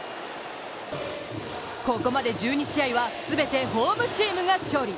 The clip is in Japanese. ここまで１２試合は全てホームチームが勝利。